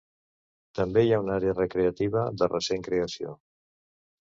També hi ha una àrea recreativa de recent creació.